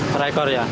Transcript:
per ekor ya